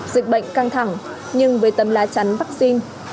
dịch bệnh căng thẳng nhưng với tấm lá chắn vaccine